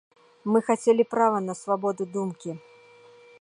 Мы хацелі права на свабоду думкі.